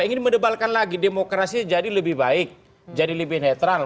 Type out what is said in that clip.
ingin mendebalkan lagi demokrasi jadi lebih baik jadi lebih netral